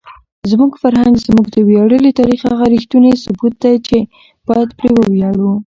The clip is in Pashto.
زموږ فرهنګ زموږ د ویاړلي تاریخ هغه ریښتونی ثبوت دی چې باید پرې وویاړو.